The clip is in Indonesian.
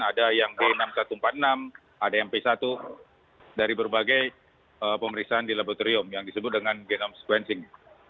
ada yang b enam ribu satu ratus empat puluh enam ada yang p satu dari berbagai pemeriksaan di laboratorium yang disebut dengan genome sequencing